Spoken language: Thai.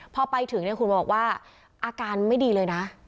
พอไปถึงเนี่ยคุณบอกว่าอาการไม่ดีเลยนะ